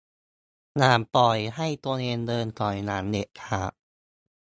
อย่าปล่อยให้ตัวเองเดินถอยหลังเด็ดขาด